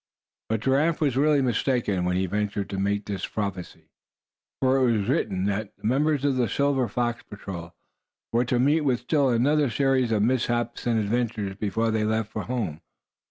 But Giraffe was really mistaken when he ventured to make this prophecy; for it was written that the members of the Silver Fox Patrol were to meet with still another series of mishaps and adventures before they left for home.